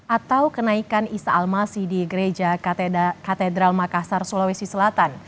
atau kenaikan isa al masih di gereja katedral makassar sulawesi selatan